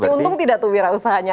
berarti untung tidak tuh wirausahanya